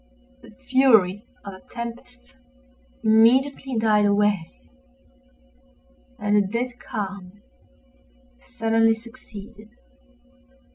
The fury of the tempest immediately died away, and a dead calm sullenly succeeded.